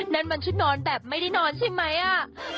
นั่นมันชุดนอนแบบไม่ได้นอนใช่ไหมอ่ะ